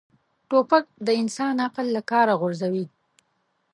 توپک د انسان عقل له کاره غورځوي.